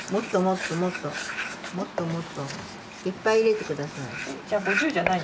もっともっともっと。いっぱい入れて下さい。